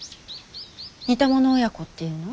似た者親子っていうの？